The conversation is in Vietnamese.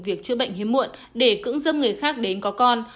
việc chữa bệnh hiếm muộn để cưỡng dâm người khác đến có con